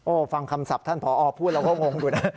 โอ้ฟังคำศัพท์ท่านผอพูดแล้วก็งงดูนะ